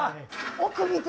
奥見て！